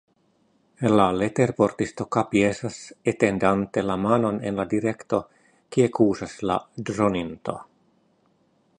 La leterportisto kapjesas, etendante la manon en la direkto, kie kuŝas la droninto.